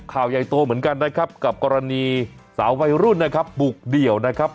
ข่าวใหญ่โตเหมือนกันนะครับกับกรณีสาววัยรุ่นนะครับบุกเดี่ยวนะครับ